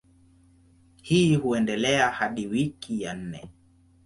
Hii huendelea hadi wiki ya nne.